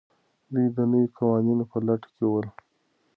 دوی د نویو قوانینو په لټه کې ول.